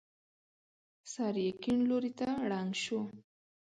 سر يې کيڼ لور ته ړنګ شو.